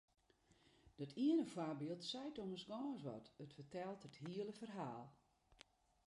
Dat iene foarbyld seit ommers gâns wat, it fertelt it hiele ferhaal.